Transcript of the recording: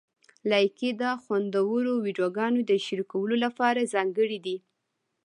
لایکي د خوندورو ویډیوګانو شریکولو لپاره ځانګړی دی.